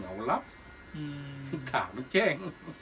สวัสดีทุกคน